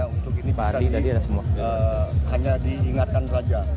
untuk ini bisa hanya diingatkan saja